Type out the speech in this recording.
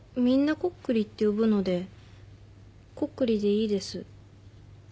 みんなコックリって呼ぶのでコックリでいいです。